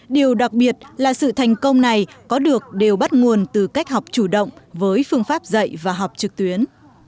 điều đặc biệt là sự thành công này có được đều bắt nguồn từ cách học chủ động với phương pháp dạy và học trực tuyến